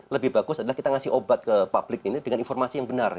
lebih bagus adalah kita ngasih obat ke publik ini dengan informasi yang benar